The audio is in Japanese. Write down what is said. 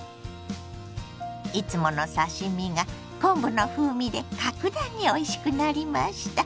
いつもの刺し身が昆布の風味で格段においしくなりました。